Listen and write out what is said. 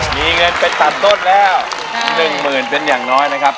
มีเงินไปตัดต้นแล้ว๑หมื่นเป็นอย่างน้อยนะครับ